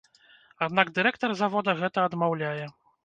Аднак дырэктар завода гэта адмаўляе.